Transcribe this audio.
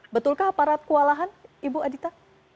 betulkah aparat kewalahan ibu adita